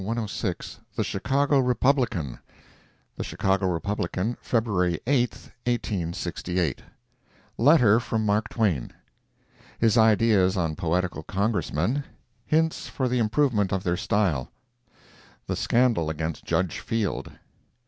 MARK TWAIN THE CHICAGO REPUBLICAN The Chicago Republican, February 8, 1868 LETTER FROM MARK TWAIN His Ideas on Poetical Congressmen—Hints for the Improvement of their Style. The Scandal Against Judge Field.